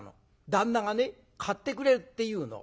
旦那がね買ってくれるっていうの。